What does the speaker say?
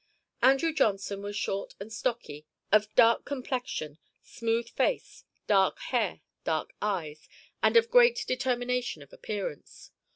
Andrew Johnson was short and stocky, of dark complexion, smooth face, dark hair, dark eyes, and of great determination of appearance.